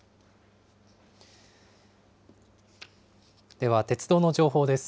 では、鉄道の情報です。